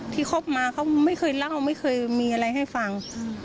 คบมาเขาไม่เคยเล่าไม่เคยมีอะไรให้ฟัง